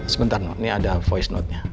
sebentar ini ada voice note nya